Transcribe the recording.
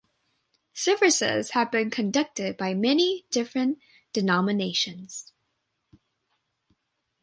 Services have been conducted by many different denominations.